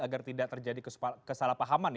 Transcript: agar tidak terjadi kesalahpahaman